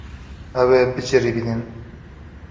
Ew ê biceribînin.